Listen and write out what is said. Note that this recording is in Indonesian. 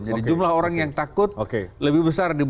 jadi jumlah orang yang takut lebih besar